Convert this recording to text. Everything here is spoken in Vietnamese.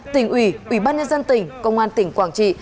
tỉnh ủy ủy ban nhân dân tỉnh công an tỉnh quảng trị